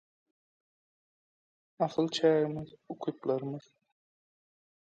Asyl çägimiz - ukyplarymyz.